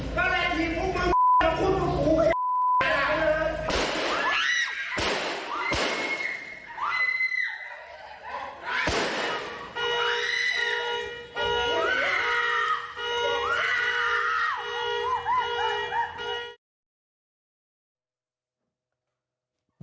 ก็แหละทีพวกมึงอุ๊กอุ๊ก